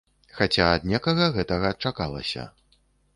Хаця ад некага гэтага чакалася.